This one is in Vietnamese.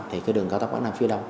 thì cái đường cao tốc bắc nam phía đông